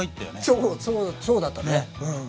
そうそうだったねうん。